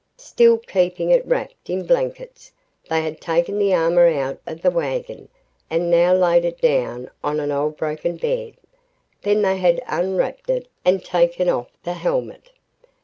Still keeping it wrapped in blankets, they had taken the armor out of the wagon and now laid it down on an old broken bed. Then they had unwrapped it and taken off the helmet.